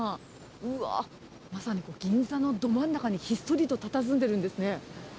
うわー、まさに銀座のど真ん中にひっそりとたたずんでいるんですね。